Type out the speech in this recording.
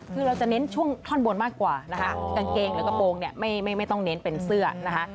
คือเราจะเน้นช่วงท่อนบนมากกว่านะคะกางเกงหรือกระโปรงเนี่ยไม่ต้องเน้นเป็นเสื้อนะคะ